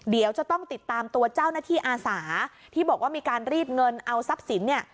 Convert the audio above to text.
เดี๋ยวจะต้องติดตามตัวเจ้าหน้าที่อาสาที่บอกว่ามีการรีดเงินเอาทรัพย์สินเนี่ย